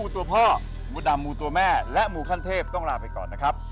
ตัวแม่และหมูคันเทพต้องลาไปก่อนนะครับ